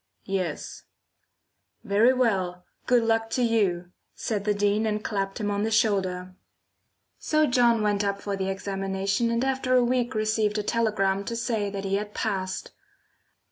"Yes." "Very well! Good luck to you!" said the Dean, and clapped him on the shoulder. So John went up for the examination and after a week received a telegram to say that he had passed.